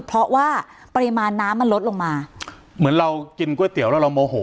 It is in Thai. เพราะว่าปริมาณน้ำมันลดลงมาเหมือนเรากินก๋วยเตี๋ยวแล้วเราโมโห